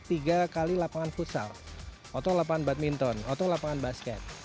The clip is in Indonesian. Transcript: tiga kali lapangan futsal atau lapangan badminton atau lapangan basket